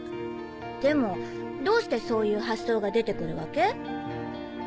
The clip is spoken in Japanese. でもどうしてそういう発想が出て来るわけ？